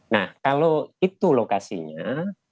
nah kalau itu lokasinya